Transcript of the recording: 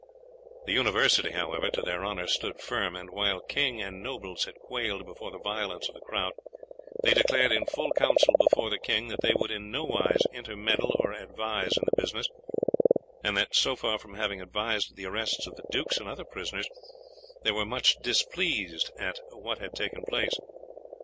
The University, however, to their honour, stood firm; and while king and nobles had quailed before the violence of the crowd, they declared in full council before the king that they would in nowise intermeddle or advise in the business; and that so far from having advised the arrests of the dukes and other prisoners, they were much displeased at what had taken place.